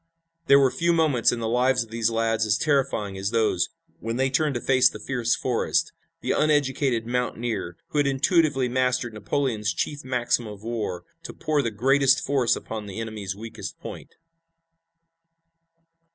There were few moments in the lives of these lads as terrifying as those when they turned to face the fierce Forrest, the uneducated mountaineer who had intuitively mastered Napoleon's chief maxim of war, to pour the greatest force upon the enemy's weakest point.